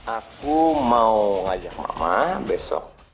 aku mau ngajak mama besok